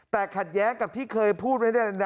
แต่ขัดแย้งกับที่เคยพูดไว้